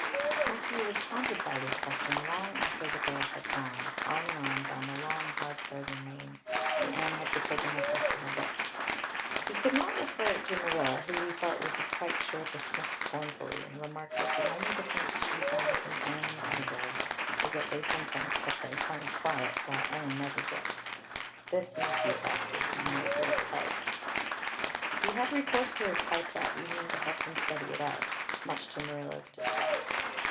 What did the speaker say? Matthew was haunted by this question long after the girls had gone, arm in arm, down the long, hard frozen lane and Anne had betaken herself to her books. He could not refer it to Marilla, who, he felt, would be quite sure to sniff scornfully and remark that the only difference she saw between Anne and the other girls was that they sometimes kept their tongues quiet while Anne never did. This, Matthew felt, would be no great help. He had recourse to his pipe that evening to help him study it out, much to Marilla's disgust.